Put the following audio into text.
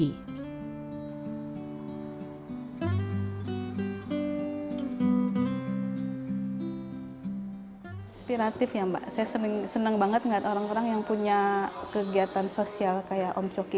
inspiratif ya mbak saya senang banget ngeliat orang orang yang punya kegiatan sosial kayak om coki